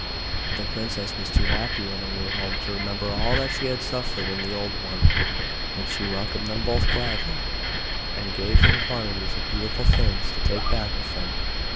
The princess was too happy in her new home to remember all that she had suffered in the old one, and she welcomed them both gladly, and gave them quantities of beautiful things to take back with them.